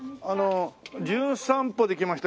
『じゅん散歩』で来ました